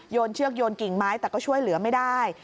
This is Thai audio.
เชือกโยนกิ่งไม้แต่ก็ช่วยเหลือไม่ได้